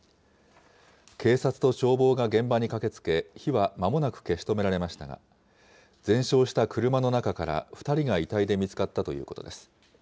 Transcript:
警察と消防が現場に駆けつけ、火はまもなく消し止められましたが、全焼した車の中から２人が遺体で見つかったということです。